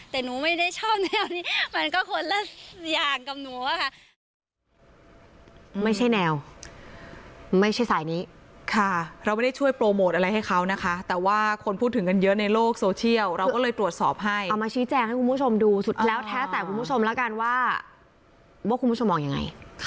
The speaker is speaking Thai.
แต่หนูไม่ได้ชอบแนวนี้มันก็คนละอย่างกับหนูอะค่ะ